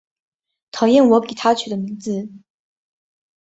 讨厌我给她取的名字